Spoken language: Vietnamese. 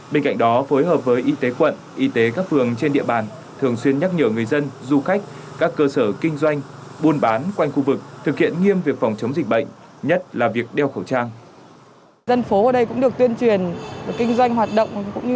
bên cạnh đó phối hợp với y tế quận y tế các phường trên địa bàn thường xuyên nhắc nhở người dân du khách các cơ sở kinh doanh buôn bán quanh khu vực thực hiện nghiêm việc phòng chống dịch bệnh nhất là việc đeo khẩu trang